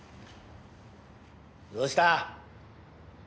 どうした？